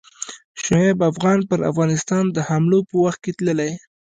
شعیب افغان پر افغانستان د حملو په وخت کې تللی.